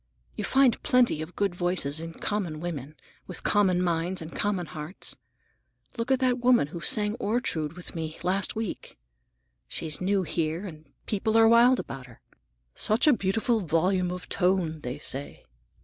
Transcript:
You find plenty of good voices in common women, with common minds and common hearts. Look at that woman who sang Ortrude with me last week. She's new here and the people are wild about her. 'Such a beautiful volume of tone!' they say.